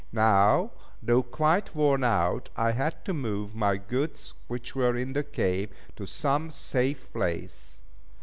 Now, though quite worn out, I had to move my goods which were in the cave, to some safe place.